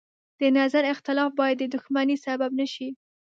د نظر اختلاف باید د دښمنۍ سبب نه شي.